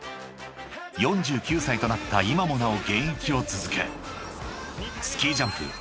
［４９歳となった今もなお現役を続けスキージャンプ